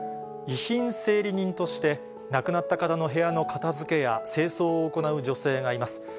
遺品整理人として、亡くなった方の部屋の片づけや清掃を行う女性がいます。